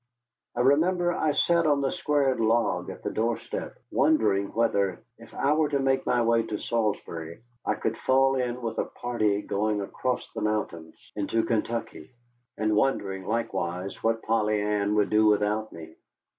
I remember I sat on the squared log of the door step, wondering whether, if I were to make my way to Salisbury, I could fall in with a party going across the mountains into Kentucky. And wondering, likewise, what Polly Ann would do without me.